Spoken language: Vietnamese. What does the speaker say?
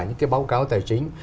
những cái báo cáo tài chính